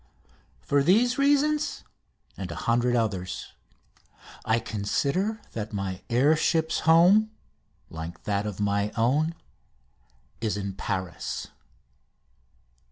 For these reasons, and a hundred others, I consider that my air ship's home, like my own, is in Paris.